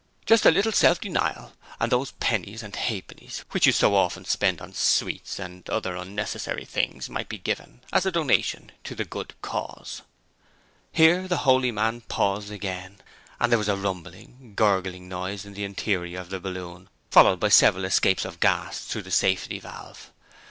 Just a little self denial, and those pennies and half pennies which you so often spend on sweets and other unnecessary things might be given as a donation to the good cause.' Here the holy man paused again, and there was a rumbling, gurgling noise in the interior of the balloon, followed by several escapes of gas through the safety valve.